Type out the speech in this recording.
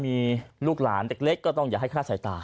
มีลูกหลานเด็กเล็กก็ต้องอย่าให้คลาดสายตา